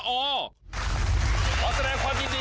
อังกฤษแสดงความยินดี